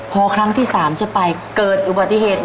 พอครั้งที่๓จะไปเกิดอุบัติเหตุ